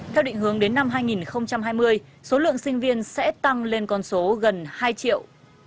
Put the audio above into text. theo định hướng đến năm hai nghìn hai mươi số lượng sinh viên sẽ tăng lên con số gần hai triệu